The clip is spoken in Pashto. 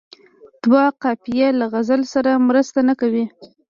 دوه قافیې له غزل سره مرسته نه کوي.